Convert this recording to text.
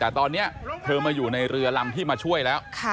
แต่ตอนนี้เธอมาอยู่ในเรือลำที่มาช่วยแล้ว